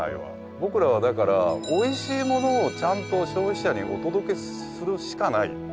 僕らはだからおいしいものをちゃんと消費者にお届けするしかない。